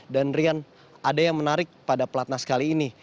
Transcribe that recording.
dan rian ada yang menarik pada pelatnas kali ini